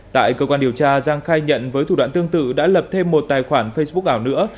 tại cơ quan điều tra giang khai nhận với thủ đoạn tương tự đã lập thêm một tài khoản facebook ảo nữa